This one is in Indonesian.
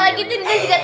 kalau gitu najwa juga tau